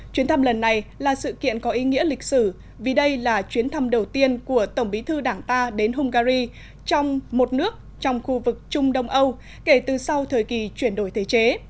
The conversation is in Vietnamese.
chuyến thăm lần này là sự kiện có ý nghĩa lịch sử vì đây là chuyến thăm đầu tiên của tổng bí thư đảng ta đến hungary trong một nước trong khu vực trung đông âu kể từ sau thời kỳ chuyển đổi thế chế